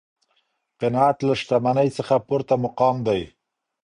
قناعت له شتمنۍ څخه پورته مقام دی.